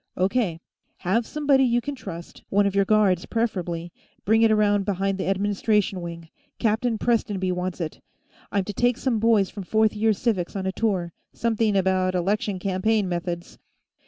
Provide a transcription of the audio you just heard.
"O. K. Have somebody you can trust one of your guards, preferably bring it around behind the Administration Wing. Captain Prestonby wants it. I'm to take some boys from Fourth Year Civics on a tour. Something about election campaign methods."